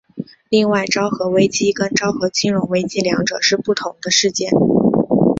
另外昭和危机跟昭和金融危机两者是不同的事件。